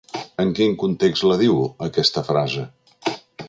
En quin context la diu, aquesta frase?